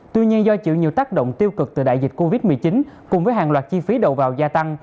tuy nhiên do chịu nhiều tác động tiêu cực từ đại dịch covid một mươi chín cùng với hàng loạt chi phí đầu vào gia tăng